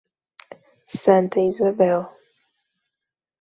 Santa Isabel